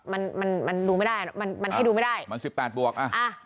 มันมันมันดูไม่ได้มันมันให้ดูไม่ได้มันสิบแปดบวกอ่ะอ่า